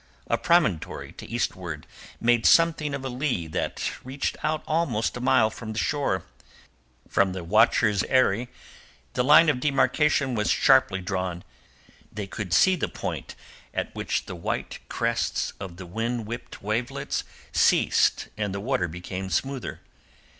A promontory to eastward made something of a lee that reached out almost a mile from shore. From the watcher's eyrie the line of demarcation was sharply drawn; they could see the point at which the white crests of the wind whipped wavelets ceased and the water became smoother.